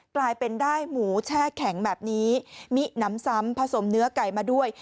กลายเป็นได้หมูแช่แข็งแบบนี้มิน้ำซ้ำผสมเนื้อไก่มาด้วย